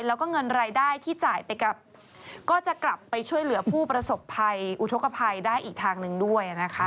แล้วก็เงินรายได้ที่จ่ายไปก็จะกลับไปช่วยเหลือผู้ประสบภัยอุทธกภัยได้อีกทางหนึ่งด้วยนะคะ